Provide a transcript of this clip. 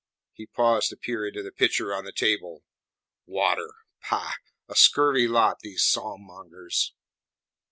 He paused to peer into the pitcher on the table. "Water! Pah! A scurvy lot, these psalm mongers!"